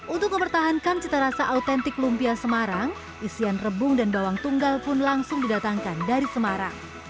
untuk mempertahankan cita rasa autentik lumpia semarang isian rebung dan bawang tunggal pun langsung didatangkan dari semarang